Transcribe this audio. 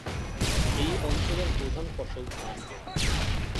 এই অঞ্চলের প্রধান ফসল ধান।